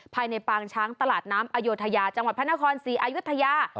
ภายในปางช้างตลาดน้ำอโยธยาจังหวัดพระนครศรีอายุทยา